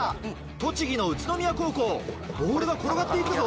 栃木の宇都宮高校ボールが転がって行くぞ。